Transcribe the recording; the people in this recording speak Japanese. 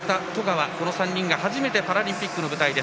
赤井、岩田、十川の３人が初めてパラリンピックの舞台です。